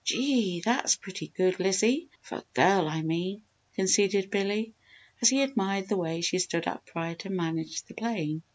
"Gee! That's pretty good, Lizzie for a girl, I mean!" conceded Billy, as he admired the way she stood upright and managed the plane.